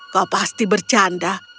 kau pasti bercanda